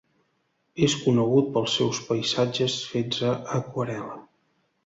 És conegut pels seus paisatges fets a aquarel·la.